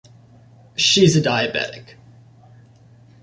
She's a diabetic.